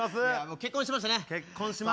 結婚しましたねうん。